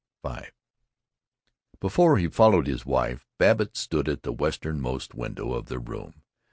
V Before he followed his wife, Babbitt stood at the westernmost window of their room.